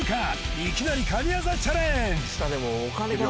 いきなり神業チャレンジいくよ